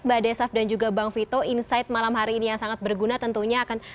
mbak desaf dan juga bang vito insight malam hari ini yang sangat berguna tentunya akan